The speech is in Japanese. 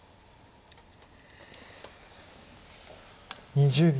２０秒。